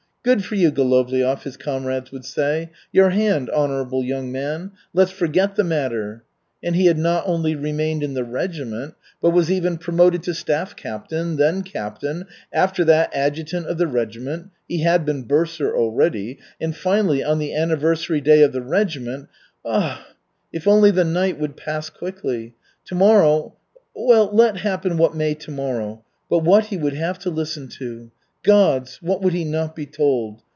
"Good for you, Golovliov," his comrades would say, "your hand, honorable young man! Let's forget the matter." And he not only remained in the regiment, but was even promoted to staff captain, then captain, after that adjutant of the regiment (he had been bursar, already) and, finally, on the anniversary day of the regiment Ah, if only the night would pass quickly! Tomorrow well, let happen what may tomorrow. But what he would have to listen to! Gods, what would he not be told!